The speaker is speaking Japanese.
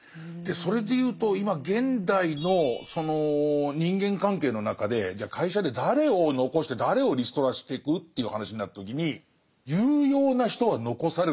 それで言うと今現代のその人間関係の中でじゃあ会社で誰を残して誰をリストラしてく？という話になった時に有用な人は残されると思うんですよ。